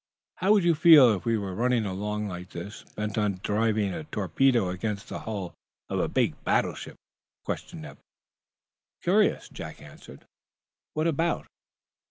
"How would you feel if we were running along like this, bent on driving a torpedo against the hull of a big battleship?" questioned Eph. "Curious," Jack answered. "What about?"